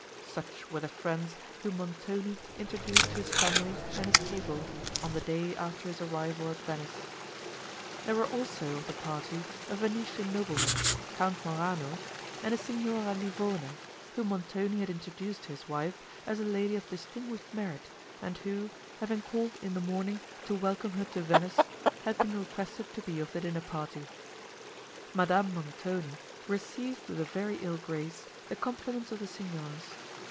Such were the friends whom Montoni introduced to his family and his table, on the day after his arrival at Venice. There were also of the party a Venetian nobleman, Count Morano, and a Signora Livona, whom Montoni had introduced to his wife, as a lady of distinguished merit, and who, having called in the morning to welcome her to Venice, had been requested to be of the dinner party. Madame Montoni received with a very ill grace, the compliments of the Signors.